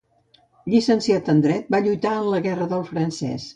Llicenciat en dret, va lluitar en la Guerra del Francès.